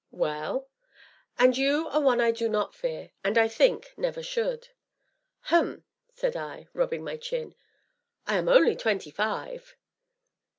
"Well?" "And you are one I do not fear, and, I think, never should." "Hum!" said I, rubbing my chin, "I am only twenty five!"